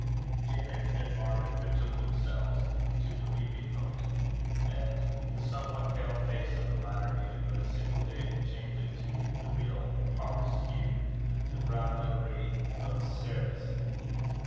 Janet and Margaret betook themselves to the reaping hook; and the somewhat pale face of the latter needed but a single day to change it to the real harvest hue the brown livery of Ceres.